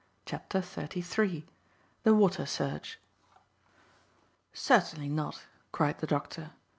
CHAPTER THIRTY THREE. THE WATER SEARCH. "Certainly not," cried the doctor.